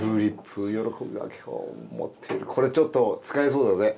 これちょっと使えそうだぜ。